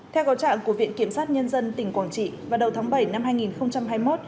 theo cầu trạng của viện kiểm sát nhân dân tỉnh quảng trị vào đầu tháng bảy năm hai nghìn hai mươi một